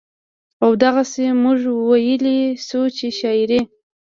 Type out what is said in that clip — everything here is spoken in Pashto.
او دغسې مونږ وئيلے شو چې شاعري